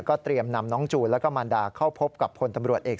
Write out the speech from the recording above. เตรียมนำน้องจูนแล้วก็มารดาเข้าพบกับพลตำรวจเอก